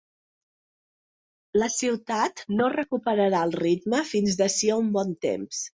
La ciutat no recuperarà el ritme fins d’ací a un bon temps.